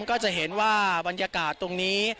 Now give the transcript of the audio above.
ก็จะเห็นว่าบรรยากาศตรงนี้